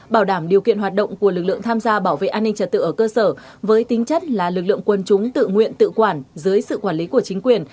bảo đảm điều kiện hoạt động của lực lượng tham gia bảo vệ an ninh trật tự ở cơ sở với tính chất là lực lượng quân chúng tự nguyện tự quản dưới sự quản lý của chính quyền